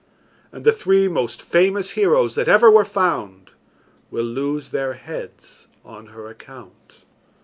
And the three most famous heroes that ever were found will lose their heads on her account."